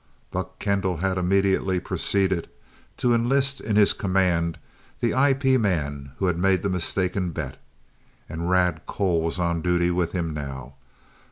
Buck Kendall had immediately proceeded to enlist in his command the IP man who had made the mistaken bet, and Rad Cole was on duty with him now.